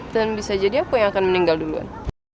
dan bisa jadi aku yang akan meninggal duluan